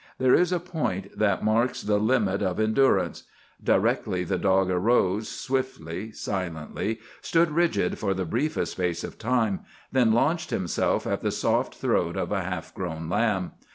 There is a point that marks the limit of endurance. Directly the dog arose, swiftly, silently, stood rigid for the briefest space of time, then launched himself at the soft throat of a half grown lamb.